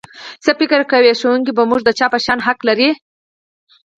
څه فکر کوئ ښوونکی په موږ د چا په شان حق لري؟